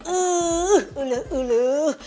uh uluh uluh